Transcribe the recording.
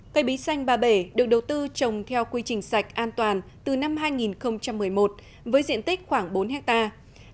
cây bí xanh ba bể được đầu tư trồng theo quy trình sạch an toàn từ năm hai nghìn một mươi một với diện tích khoảng bốn hectare